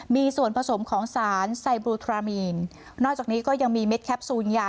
มีส่วนผสมของสารไซบลูทรามีนนอกจากนี้ก็ยังมีเม็ดแคปซูลยา